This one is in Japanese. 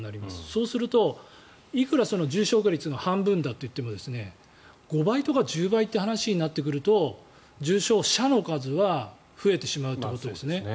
そうすると、いくら重症化率が半分だといっても５倍とか１０倍という話になってくると重症者の数は増えてしまうということですね。